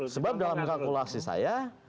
sebab dalam kalkulasi saya